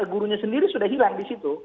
gurunya sendiri sudah hilang di situ